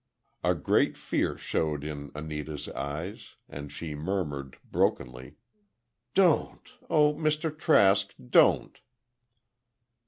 A great fear showed in Anita's eyes, and she murmured, brokenly: "Don't—oh, Mr. Trask, don't!"